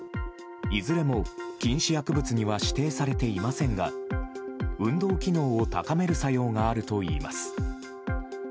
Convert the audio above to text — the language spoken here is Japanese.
いずれも禁止薬物には指定されていませんが運動機能を高める作用があるといいます。